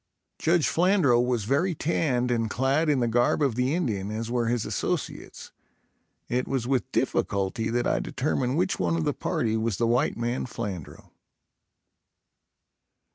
Judge Flandrau was very tanned and clad in the garb of the Indian as were his associates; it was with difficulty that I determined which one of the party was the white man Flandrau.